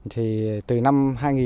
thì từ năm